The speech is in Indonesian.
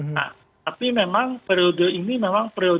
nah tapi memang periode ini memang periode